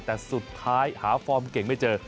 แต่สุดท้ายหาฟอร์มเก่งไม่เจอ